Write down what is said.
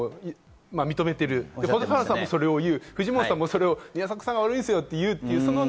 認めている蛍原さんも、それを言う、藤本さんは宮迫さんが悪いんですよという。